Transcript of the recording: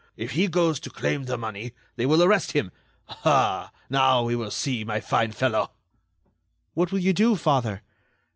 If he goes to claim the money, they will arrest him. Ah! now, we will see, my fine fellow!" "What will you do, father?"